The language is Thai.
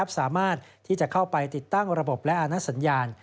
สามารถที่จะเข้าไปติดตั้งระบบและอาณาสัญญาณ